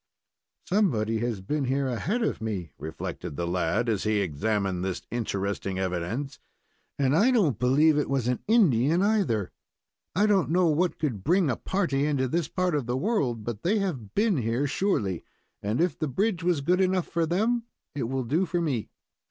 "Somebody has been here ahead of me," reflected the lad, as he examined this interesting evidence, "and I don't believe it was an Indian, either. I don't know what could bring a party into this part of the world, but they have been here surely, and if the bridge was good enough for them, it will do for me."